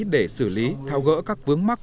để xử lý thao gỡ các vướng mắc